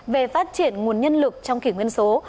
về phát triển nguồn nhân lực trong kỷ nguyên số